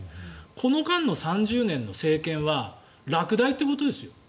この間の３０年の政権は落第ということですよ。